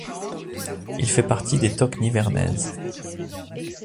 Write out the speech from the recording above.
Il fait partie des Toques Nivernaises.